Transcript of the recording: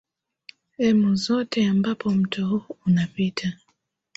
emu zote ambapo mto huu unapita